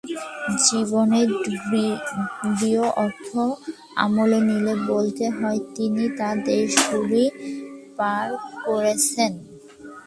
জীবনের গূঢ় অর্থ আমলে নিলে বলতে হয়, তিনি তার শেষদিনগুলি পার করছেন।